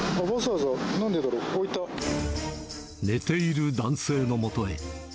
寝ている男性のもとへ。